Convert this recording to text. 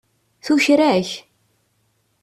Tuker-ak.